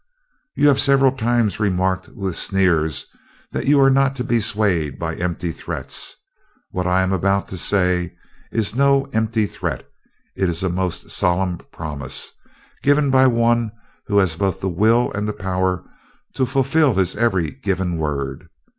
"You have several times remarked with sneers that you are not to be swayed by empty threats. What I am about to say is no empty threat it is a most solemn promise, given by one who has both the will and the power to fulfill his every given word.